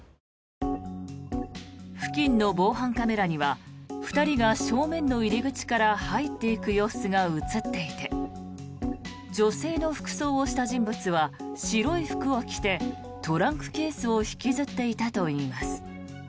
付近の防犯カメラには２人が正面の入り口から入っていく様子が映っていて女性の服装をした人物は白い服を着て、トランクケースを引きずっていたといいます。